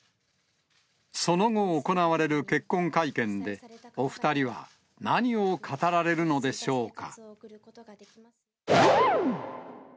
その後行われる結婚会見で、お２人は何を語られるのでしょうか。